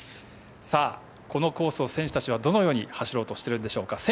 このコースを選手たちはどのように走ろうとしているのでしょうか。